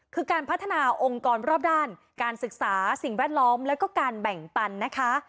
คือการพัฒนาองค์กรรอบด้านการศึกษาสิ่งแวดล้อมแล้วก็การแบ่งปันนะคะ